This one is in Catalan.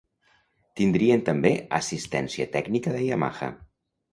Tindrien també assistència tècnica de Yamaha.